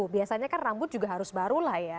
biasanya kan rambut juga harus baru lah ya